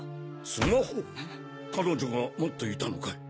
スマホ⁉彼女が持っていたのかい？